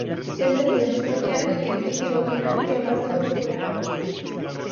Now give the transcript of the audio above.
Sempre tivemos moi claro que quen ten que gobernar é o Partido Popular.